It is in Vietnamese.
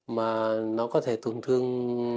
mà nó có thể tổn thương